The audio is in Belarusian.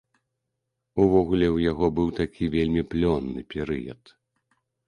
Увогуле, у яго быў такі вельмі плённы перыяд.